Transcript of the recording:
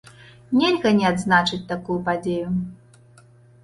Нельга не адзначыць такую падзею!